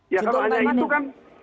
ya kalau hanya itu kan